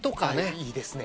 いいですね。